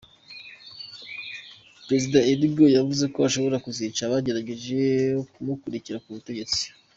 Perezida Erdogan yavuze ko ashobora kuzica abagerageje kumurikira ku butegetsi .